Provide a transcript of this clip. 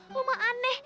lo mah aneh